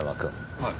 はい。